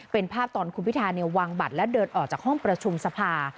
เป็นภาพตอนคุณพิธาวางบัตรและเดินออกจากห้องประชุมสภา